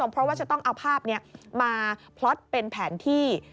เพราะว่าจะต้องเอาภาพนี้มาพล็อตเป็นแผนที่